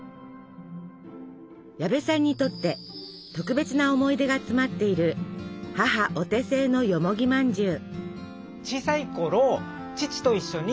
矢部さんにとって特別な思い出が詰まっている母お手製のよもぎまんじゅう。